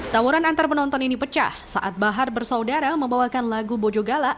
tawuran antar penonton ini pecah saat bahar bersaudara membawakan lagu bojogala